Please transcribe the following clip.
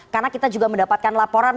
karena kita juga mendapatkan laporan